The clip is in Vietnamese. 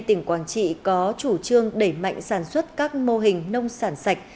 tỉnh quảng trị có chủ trương đẩy mạnh sản xuất các mô hình nông sản sạch